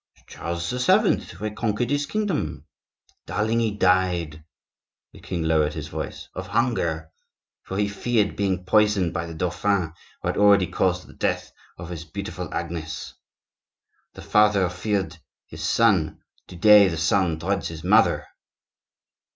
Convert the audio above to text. "Charles VII. reconquered his kingdom." "Darling, he died" (the king lowered his voice) "of hunger; for he feared being poisoned by the dauphin, who had already caused the death of his beautiful Agnes. The father feared his son; to day the son dreads his mother!"